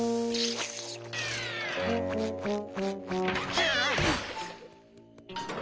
はあ。